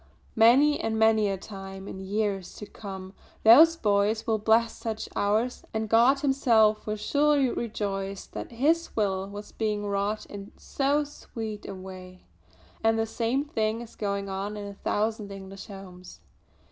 Many and many a time in years to come those boys will bless such hours, and God Himself will surely rejoice that His will was being wrought in so sweet a way. And the same thing is going on in a thousand English homes!"